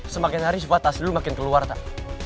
semakin hari sifat asli lo makin keluar tak